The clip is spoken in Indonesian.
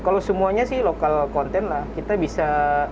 kalau semuanya sih lokal konten lah kita bisa